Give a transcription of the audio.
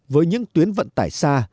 với những tuyến vận tải xa